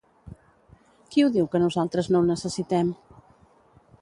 Qui ho diu que nosaltres no ho necessitem?